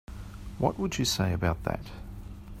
What would you say about that?